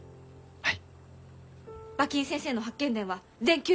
はい。